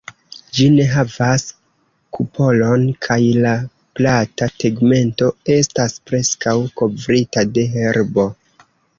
Ĝi ne havas kupolon, kaj la plata tegmento estas preskaŭ kovrita de herbo.